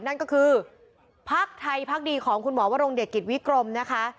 นั่นก็คือพักไทยพักดีของคุณหมอวรงเดชกิจวิกรมนะคะ